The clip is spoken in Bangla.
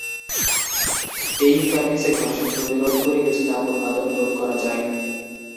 এই ইন্টারফেসে ঘর্ষণ প্রতিরোধ করে কিছু তাপ উৎপাদন রোধ করা যায়।